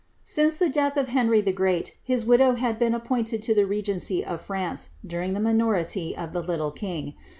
I^nce the death of Henry the Great, his widow had been appointed to the regency of France, during the minority of the little king.